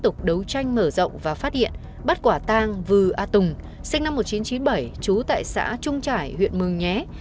tranh mở rộng và phát hiện bắt quả tang vư a tùng sinh năm một nghìn chín trăm chín mươi bảy trú tại xã trung trải huyện mừng nhé